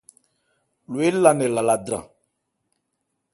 Lo éla nkɛ lala dran.